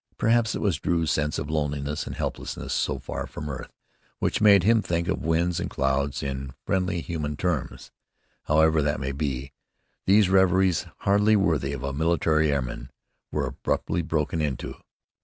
Perhaps it was Drew's sense of loneliness and helplessness so far from earth, which made me think of winds and clouds in friendly human terms. However that may be, these reveries, hardly worthy of a military airman, were abruptly broken into.